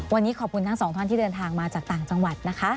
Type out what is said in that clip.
วันนี้ขอบคุณทั้งสองท่านที่เดินทางมาจากต่างจังหวัดนะคะ